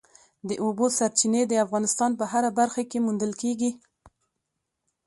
د اوبو سرچینې د افغانستان په هره برخه کې موندل کېږي.